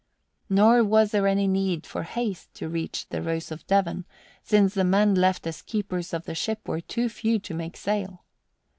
Nor was there need for haste to reach the Rose of Devon, since the men left as keepers of the ship were too few to make sail.